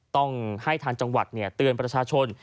ต้องให้ทางจังหวัดเตือนประชาชน